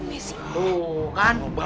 mahal ini sih